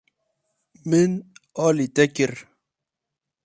Min alî te kir.